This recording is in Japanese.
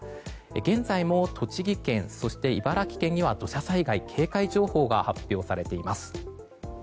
現在も栃木県、そして茨城県には土砂災害警戒情報が発表されています。